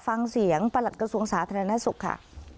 ฟังเสียงประหลัดกระทรวงศาสตร์ธนาศุกร์ค่ะ